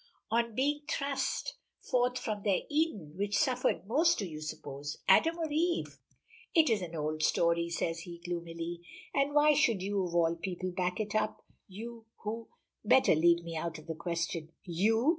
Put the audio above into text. On being thrust forth from their Eden, which suffered most do you suppose, Adam or Eve?" "It is an old story," says he gloomily, "and why should you, of all people, back it up? You who " "Better leave me out of the question." "You!"